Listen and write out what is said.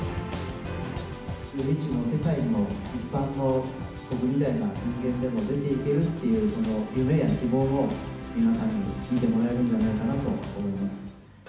未知の世界にも、一般の僕みたいな人間でも出ていけるっていう、その夢や希望を皆さんに見てもらえるんじゃないかなと思います。